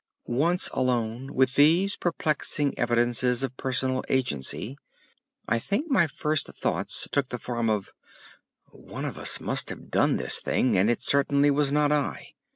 Once alone with these perplexing evidences of personal agency, I think my first thoughts took the form of "One of us must have done this thing, and it certainly was not I."